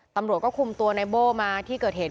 ตำรวจก็คุมตัวในโบ้มาที่เกิดเหตุ